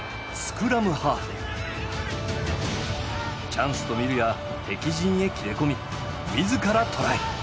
チャンスと見るや敵陣へ切れ込み自らトライ。